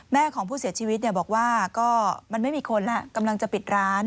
แม่ของผู้เสียชีวิตบอกว่าก็มันไม่มีคนแล้วกำลังจะปิดร้าน